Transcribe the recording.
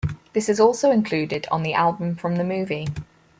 This is also included on the album from the movie.